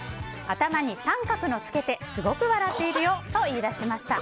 頭に三角のつけてすごく笑っているよと言い出しました。